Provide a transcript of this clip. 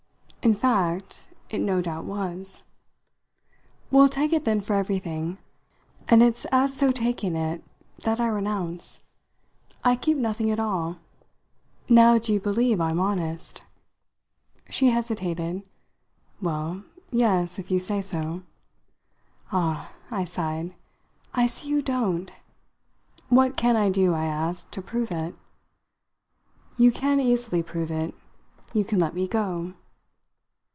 In fact, it no doubt was. "We'll take it then for everything, and it's as so taking it that I renounce. I keep nothing at all. Now do you believe I'm honest?" She hesitated. "Well yes, if you say so." "Ah," I sighed, "I see you don't! What can I do," I asked, "to prove it?" "You can easily prove it. You can let me go."